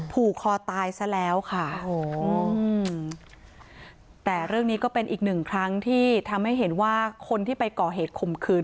ผูกคอตายซะแล้วค่ะโอ้โหแต่เรื่องนี้ก็เป็นอีกหนึ่งครั้งที่ทำให้เห็นว่าคนที่ไปก่อเหตุข่มขืน